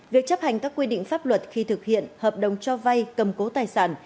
việc chấp hành các quy định pháp luật khi thực hiện hợp đồng cho vay cầm cố tài sản